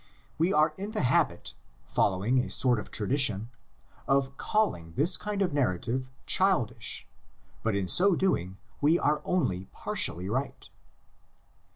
We are in the habit, following a sort of tradition, of calling this kind of narrative childish; but in so doing we are only partially right.